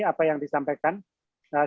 apa yang disampaikan silakan